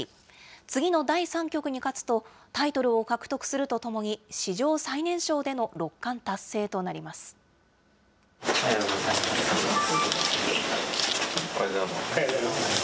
次の第３局に勝つと、タイトルを獲得するとともに、史上最年少での六冠達成となります。